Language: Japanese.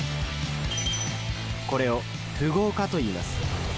これを「符号化」といいます。